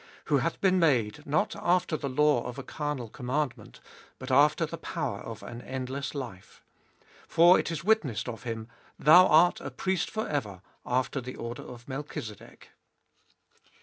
Who hath been made, not after the law of a carnal commandment, but after the power of an endless life. 17. For it is witnessed of him, Thou art a priest for ever After the order of Melchizedek.